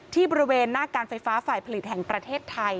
บริเวณหน้าการไฟฟ้าฝ่ายผลิตแห่งประเทศไทย